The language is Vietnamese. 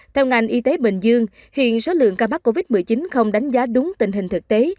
theo ngành y tế bình dương hiện số lượng ca mắc covid một mươi chín không đánh giá đúng tình hình thực tế